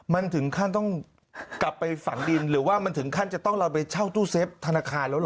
มันถึงขั้นต้องกลับไปฝังดินหรือว่ามันถึงขั้นจะต้องเราไปเช่าตู้เซฟธนาคารแล้วเหรอ